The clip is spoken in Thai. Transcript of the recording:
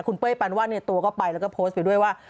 คุณเป้ยปานวาดเนี่ยตัวก็ไปแล้วก็โพสต์ไปด้วยว่า